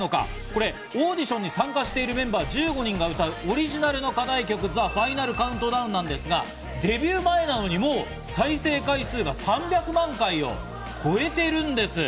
これオーディションに参加してるメンバー１５人が歌うオリジナルの課題曲『ＴｈｅＦｉｎａｌＣｏｕｎｔｄｏｗｎ』なんですが、デビュー前なのにもう再生回数が３００万回を超えているんです。